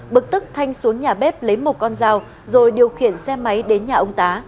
bực tức thanh xuống nhà bếp lấy một con dao rồi điều khiển xe máy đến nhà ông tá